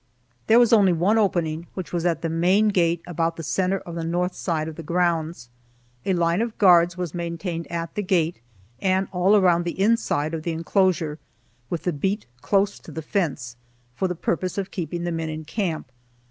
There was only one opening, which was at the main gate about the center of the north side of the grounds. A line of guards was maintained at the gate and all round the inside of the inclosure, with the beat close to the fence, for the purpose of keeping the men in camp.